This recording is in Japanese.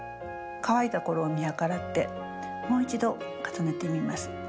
乾いた頃を見計らってもう一度重ねてみます。